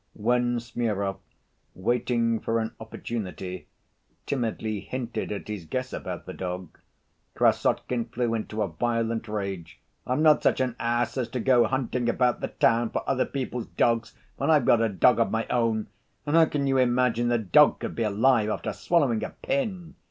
When Smurov, waiting for an opportunity, timidly hinted at his guess about the dog, Krassotkin flew into a violent rage. "I'm not such an ass as to go hunting about the town for other people's dogs when I've got a dog of my own! And how can you imagine a dog could be alive after swallowing a pin?